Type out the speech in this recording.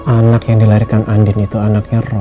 anak yang di lahirkan andin itu anaknya roy